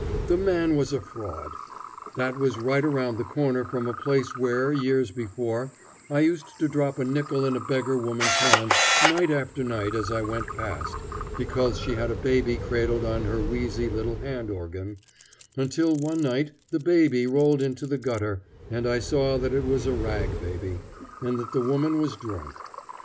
The man was a fraud. That was right around the corner from a place where, years before, I used to drop a nickel in a beggar woman's hand night after night as I went past, because she had a baby cradled on her wheezy little hand organ, until one night the baby rolled into the gutter, and I saw that it was a rag baby, and that the woman was drunk.